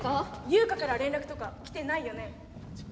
ユウカから連絡とか来てないよね？